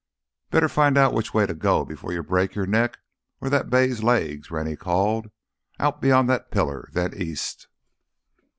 "Better find out which way to go before you break your neck or that bay's legs," Rennie called. "Out beyond that pillar—then east."